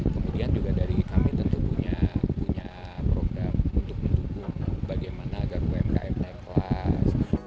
kemudian juga dari kami tentu punya program untuk mendukung bagaimana agar umkm naik kelas